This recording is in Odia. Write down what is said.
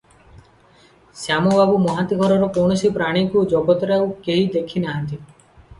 ଶ୍ୟାମବନ୍ଧୁ ମହାନ୍ତି ଘରର କୌଣସି ପ୍ରାଣୀକୁ ଜଗତରେ ଆଉ କେହି ଦେଖି ନାହାନ୍ତି ।